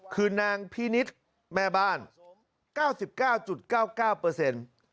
คือนางพินิษฐ์แม่บ้าน๙๙๙๙๙เปอร์เซ็นต์